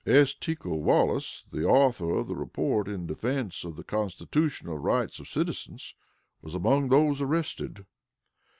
S. Teacle Wallis, the author of the report in defense of the constitutional rights of citizens, was among those arrested.